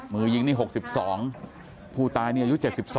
มือยิงนี่๖๒ผู้ตายนี่อายุ๗๒